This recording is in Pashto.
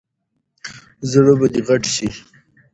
زړه به دې غټ شي !